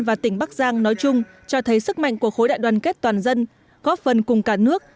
và tỉnh bắc giang nói chung cho thấy sức mạnh của khối đại đoàn kết toàn dân góp phần cùng cả nước